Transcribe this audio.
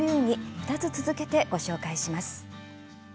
２つ続けてご紹介します。